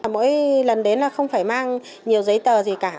mỗi lần đến là không phải mang nhiều giấy tờ gì cả